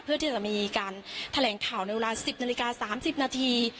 เพื่อที่จะมีการแถลงข่าวในเวลา๑๐นาฬิกา๓๐นาที